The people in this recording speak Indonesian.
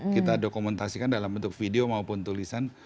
kita dokumentasikan dalam bentuk video maupun tulisan